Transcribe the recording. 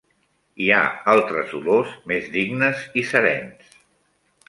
Hi ha altres dolors més dignes i serens